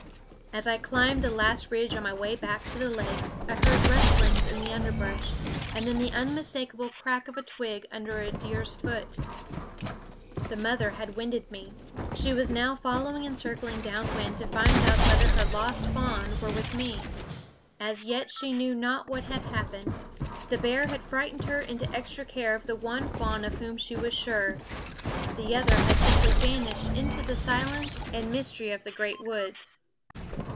As I climbed the last ridge on my way back to the lake, I heard rustlings in the underbrush, and then the unmistakable crack of a twig under a deer's foot. The mother had winded me; she was now following and circling down wind to find out whether her lost fawn were with me. As yet she knew not what had happened. The bear had frightened her into extra care of the one fawn of whom she was sure. The other had simply vanished into the silence and mystery of the great woods.